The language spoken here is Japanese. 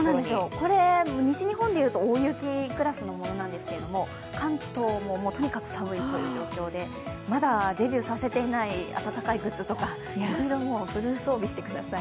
これ、西日本でいうと、大雪クラスのものなんですけども関東もとにかく寒いという状況で、まだデビューさせていないあたたかいグッズとか、フル装備してください。